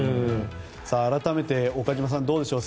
改めて岡島さんどうでしょう。